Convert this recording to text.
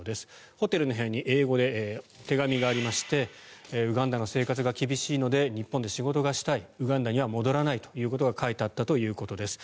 ホテルの部屋に英語で手紙がありましてウガンダの生活が厳しいので日本で仕事がしたいウガンダには戻らないということが書いてあったということです。